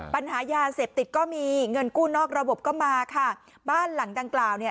ปัญหายาเสพติดก็มีเงินกู้นอกระบบก็มาค่ะบ้านหลังดังกล่าวเนี่ย